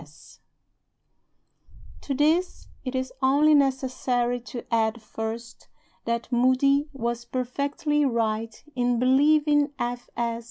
F. S." To this it is only necessary to add (first) that Moody was perfectly right in believing F. S.